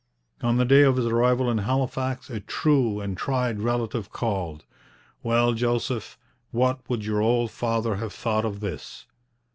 On the day of his arrival in Halifax a true and tried relative called. 'Well, Joseph, what would your old father have thought of this?'